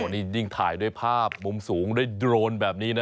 นี่ยิ่งถ่ายด้วยภาพมุมสูงด้วยโดรนแบบนี้นะ